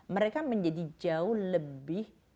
mereka menjadi jauh lebih